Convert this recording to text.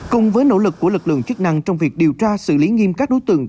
cùng với nỗ lực của lực lượng chức năng trong việc điều tra xử lý nghiêm các đối tượng